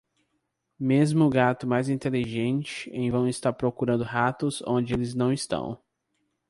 Mesmo o gato mais inteligente em vão está procurando ratos onde eles não estão.